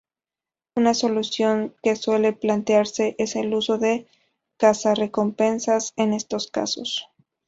Una solución que suele plantearse es el uso de cazarrecompensas en estos casos.